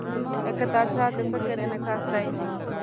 کتابچه د فکر انعکاس دی